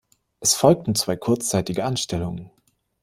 Es folgten zwei kurzzeitige Anstellungen.